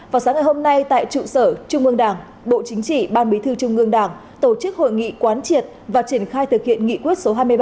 vào sáng ngày hôm nay tại trụ sở trung ương đảng bộ chính trị ban bí thư trung ương đảng tổ chức hội nghị quán triệt và triển khai thực hiện nghị quyết số hai mươi ba